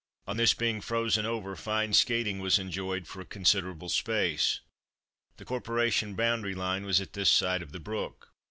On this being frozen over fine skating was enjoyed for a considerable space. The corporation boundary line was at this side of the brook.